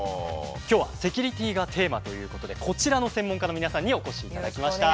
今日はセキュリティーがテーマということでこちらの専門家の皆さんにお越しいただきました。